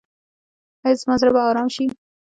ایا زما زړه به ارام شي؟